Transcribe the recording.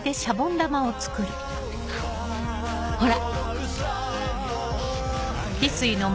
ほら。